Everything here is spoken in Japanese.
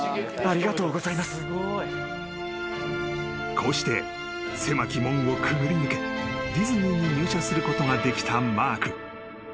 ［こうして狭き門をくぐり抜けディズニーに入社することができたマーク］